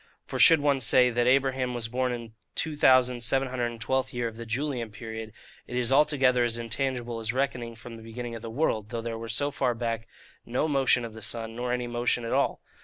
For should one say, that Abraham was born in the two thousand seven hundred and twelfth year of the Julian period, it is altogether as intelligible as reckoning from the beginning of the world, though there were so far back no motion of the sun, nor any motion at all.